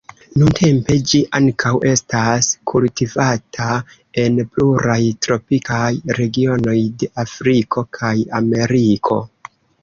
Nuntempe ĝi ankaŭ estas kultivata en pluraj tropikaj regionoj de Afriko kaj Ameriko.